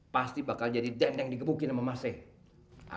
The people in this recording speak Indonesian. pasti bakal jadi den yang dikepukin sama masnya